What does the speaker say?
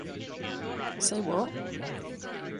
Say what?